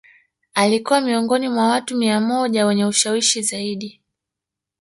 Alikua miongoni mwa watu mia moja wenye ushawishi zaidi